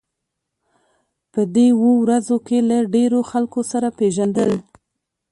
په دې اوو ورځو کې له ډېرو خلکو سره پېژندل.